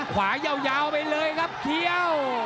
ขวายาวไปเลยครับเคี้ยว